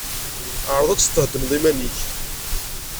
Ɛreḍ ad theddneḍ iman-ik.